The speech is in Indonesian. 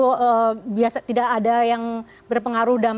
apakah itu biasa tidak ada yang berpengaruh dampak dari itu